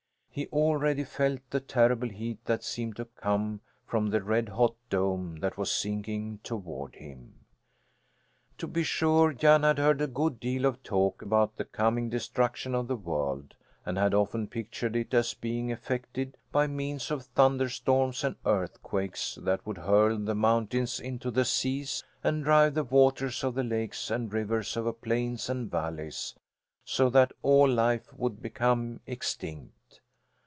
He already felt the terrible heat that seemed to come from the red hot dome that was sinking toward him. To be sure Jan had heard a good deal of talk about the coming destruction of the world and had often pictured it as being effected by means of thunder storms and earthquakes that would hurl the mountains into the seas and drive the waters of the lakes and rivers over plains and valleys, so that all life would become extinct.